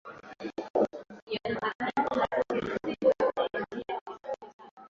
a hivi kunatamko kutoka kwa